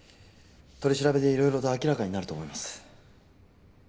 取り調べで色々と明らかになると思います。